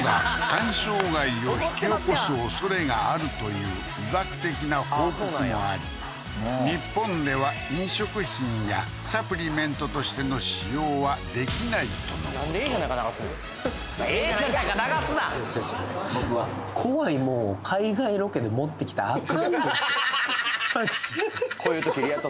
肝障害を引き起こす恐れがあるという医学的な報告もあり日本では飲食品やサプリメントとしての使用はできないとのことなんでええじゃないか流すねんええじははははっマジでこういうときリア突